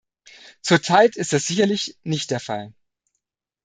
Zurzeit ist das sicherlich nicht der Fall.